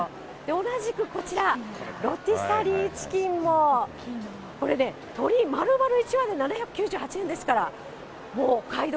同じくこちら、ロティサリーチキンも、これね、鶏丸々１羽で７９８円ですから、もうお買い得。